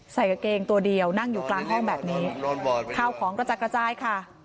ใส่กางเกงตัวเดียวนั่งอยู่กลางห้องแบบนี้ข้าวของกระจัดกระจายค่ะ